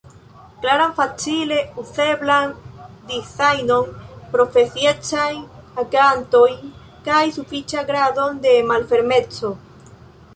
klaran, facile uzeblan dizajnon, profesiecajn agantojn kaj sufiĉan gradon de malfermeco.